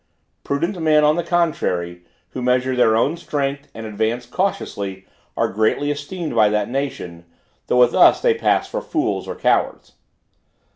Prudent men, on the contrary, who measure their own strength, and advance cautiously, are greatly esteemed by that nation, though with us they pass for fools or cowards.